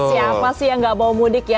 siapa sih yang nggak mau mudik ya